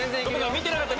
見てなかった！